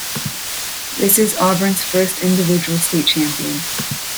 This is Auburn's first individual state champion.